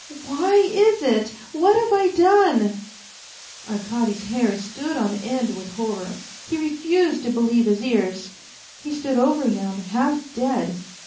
" Why is it ? What have I done ?" Arkady's hair stood on end with horror ; he refused to believe his ears. He stood over him, half dead.